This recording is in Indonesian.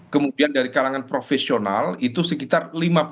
kemudian dari kalangan profesional itu sekitar lima puluh